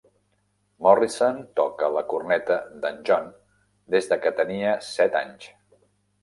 Morrisson toca la corneta d'en John des de que tenia set anys.